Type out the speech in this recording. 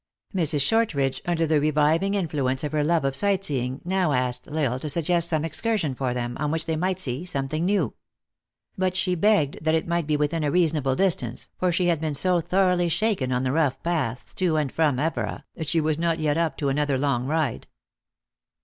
Mrs. Shortridge, under the reviving influence of her love of sight seeing, now asked L Isle to suggest some excursion for them, on which they might see something new. But she begged that it might be within a reasonable distance, for she had been so tho roughly shaken on the rough paths to and from Evora, that, she was not yet up to another long ride.